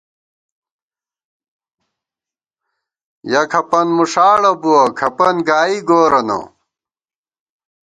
یَہ کھپَن مُݭاڑہ بُوَہ ، کھپَن گائی گورَنہ